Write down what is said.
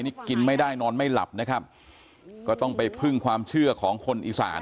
นี่กินไม่ได้นอนไม่หลับนะครับก็ต้องไปพึ่งความเชื่อของคนอีสาน